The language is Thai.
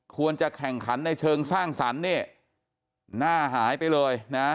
ควรจะแข่งขันในเชิงสร้างสรรค์เนี่ยหน้าหายไปเลยนะ